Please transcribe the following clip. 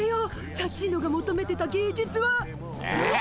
サッチーノがもとめてた芸術は！えっ？